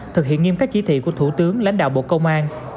thực hiện nghiêm các chỉ thị của thủ tướng lãnh đạo bộ công an